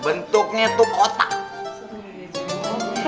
bentuknya itu kotak